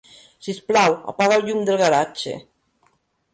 Sisplau, apaga el llum del garatge.